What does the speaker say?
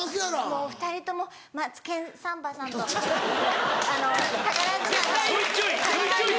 もうお２人とも『マツケンサンバ』さんとあの宝塚の宝塚。